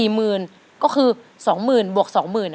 ๔หมื่นก็คือ๒หมื่นบวก๒หมื่น